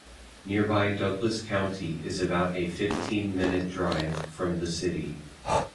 Nearby Douglas County is about a fifteen-minute drive from the city.